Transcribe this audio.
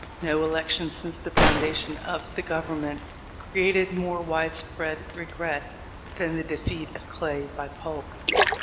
No election since the foundation of the Government created more widespread regret than the defeat of Clay by Polk.